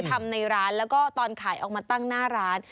ทำในร้านแล้วก็ตอนขายออกมาตั้งหน้าร้าน